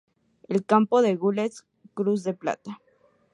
En campo de gules, cruz de plata.